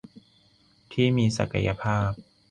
ที่มีศักยภาพ